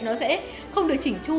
nó sẽ không được chỉnh chu